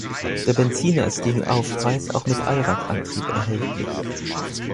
Der Benziner ist gegen Aufpreis auch mit Allradantrieb erhältlich.